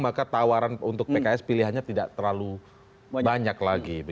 maka tawaran untuk pks pilihannya tidak terlalu banyak lagi